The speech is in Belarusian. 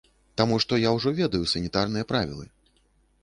Таму што я ўжо ведаю санітарныя правілы.